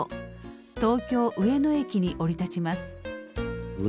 東京上野駅に降り立ちます。